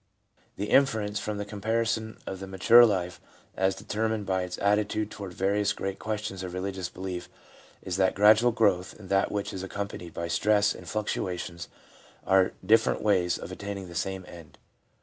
The inference from the comparison of the mature life as determined by its attitude toward various great questions of religious belief is that gradual growth and that which is ac companied by stress and fluctuations are different ways of attaining the same end.